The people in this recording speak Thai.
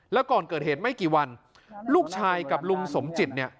แล้วก่อนเกิดเหตุไม่กี่วันลูกชายกับลุงสมจิตเนี่ย